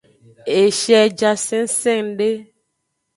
Eshie ja sengsengde.